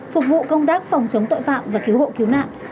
phục vụ công tác phòng chống tội phạm và cứu hộ cứu nạn